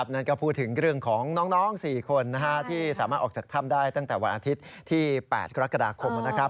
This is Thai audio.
นั่นก็พูดถึงเรื่องของน้อง๔คนที่สามารถออกจากถ้ำได้ตั้งแต่วันอาทิตย์ที่๘กรกฎาคม